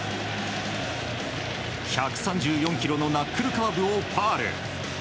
１３４キロのナックルカーブをファウル。